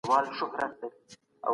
حق بايد خاوند ته وسپارل سي.